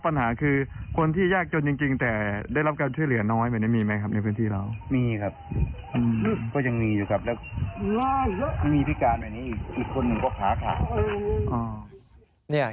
แล้วก็ไม่มีพิการอันนี้อีกคนหนึ่งก็พลาดขาด